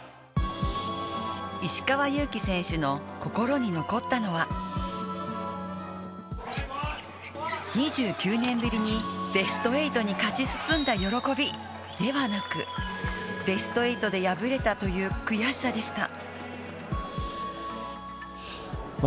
石川祐希選手の心に残ったのは２９年ぶりにベスト８に勝ち進んだ喜びではなくベスト８で敗れたという悔しさでした。